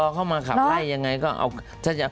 รอเขามาขับไล่ยังไงก็เอา